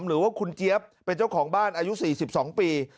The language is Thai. หรือว่าคุณเจี๊ยบเป็นเจ้าของบ้านอายุ๔๒ปี